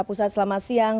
pusat selamat siang